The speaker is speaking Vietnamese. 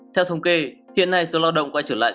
theo thông kê hiện nay số lo động quay trở lại